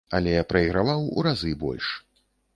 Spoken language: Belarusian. Але прайграваў у разы больш.